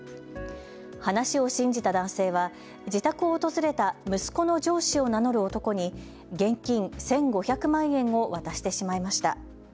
話を信じた男性は自宅を訪れた息子の上司を名乗る男に現金１５００万円を渡してしまいました。